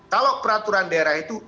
kalau peraturan daerah itu